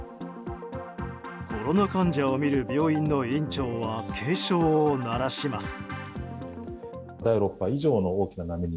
コロナ患者を診る病院の院長は警鐘を鳴らします。